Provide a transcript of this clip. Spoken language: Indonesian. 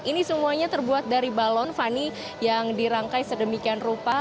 ini semuanya terbuat dari balon fani yang dirangkai sedemikian rupa